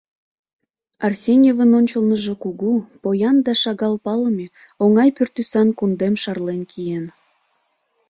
Арсеньевын ончылныжо кугу, поян да шагал палыме, оҥай пӱртӱсан кундем шарлен киен.